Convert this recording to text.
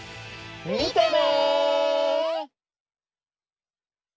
みてね！